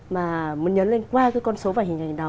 mà muốn nhấn lên qua cái con số và hình ảnh đó